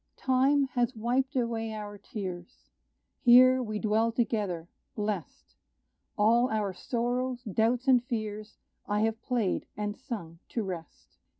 Time has wiped away our tears; Here we dwell together blest; All our sorrows, doubts and fears I have played and sung to rest.